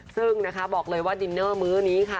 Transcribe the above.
ซึ่งนะคะบอกเลยว่าดินเนอร์มื้อนี้ค่ะ